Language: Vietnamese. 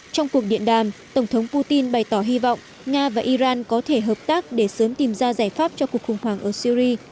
trong cuộc điện đàm tổng thống putin bày tỏ hy vọng nga và iran có thể hợp tác để sớm tìm ra giải pháp cho cuộc khủng hoảng ở syri